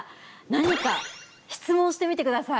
何か質問してみてください。